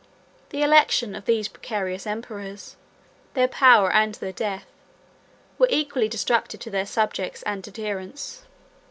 The election of these precarious emperors, their power and their death, were equally destructive to their subjects and adherents.